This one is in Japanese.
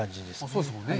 そうですもんね。